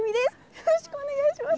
よろしくお願いします。